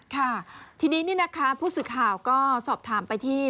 ค่ะทีนี้พูดสิทธิ์ข่าวก็สอบถามไปที่